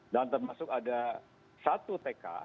dan termasuk ada satu tk